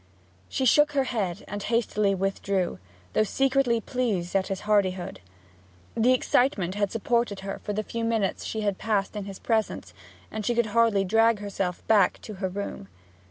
She shook her head, and hastily withdrew, though secretly pleased at his hardihood. The excitement had supported her for the few minutes she had passed in his presence, and she could hardly drag herself back to her room.